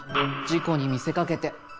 事故に見せかけて。